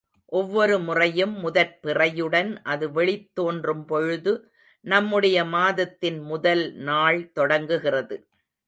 ஒவ்வொரு முறையும் முதற் பிறையுடன் அது வெளித் தோன்றும்பொழுது நம்முடைய மாதத்தின் முதல் நாள் தொடங்குகிறது.